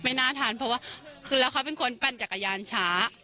น่าทานเพราะว่าคือแล้วเขาเป็นคนปั่นจักรยานช้า